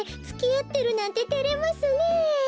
つきあってるなんててれますねえ。